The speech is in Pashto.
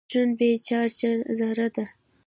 نیوټرون بې چارجه ذره ده.